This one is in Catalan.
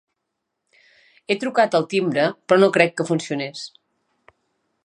He trucat al timbre però no crec que funcionés.